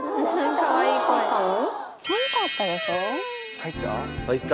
入った？